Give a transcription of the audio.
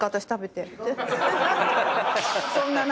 そんな中。